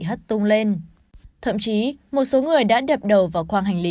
hất tung lên thậm chí một số người đã đẹp đầu vào khoang hành lý